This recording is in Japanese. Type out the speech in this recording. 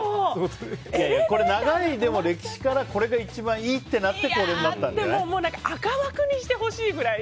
長い歴史からこれが一番いいってなって赤枠にしてほしいぐらい。